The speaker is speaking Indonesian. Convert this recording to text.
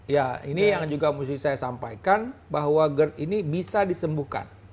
ya ini yang juga mesti saya sampaikan bahwa gerd ini bisa disembuhkan